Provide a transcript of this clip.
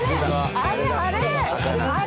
あれあれ！